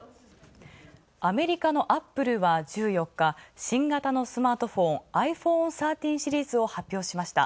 アメリカのアップルは１４日、新型のスマートフォン、ｉＰｈｏｎｅ１３シリーズを発表。